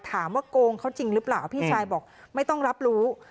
โกงเขาจริงหรือเปล่าพี่ชายบอกไม่ต้องรับรู้